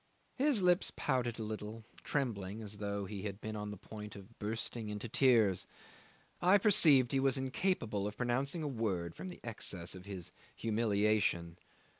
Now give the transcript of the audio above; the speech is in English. His lips pouted a little, trembling as though he had been on the point of bursting into tears. I perceived he was incapable of pronouncing a word from the excess of his humiliation.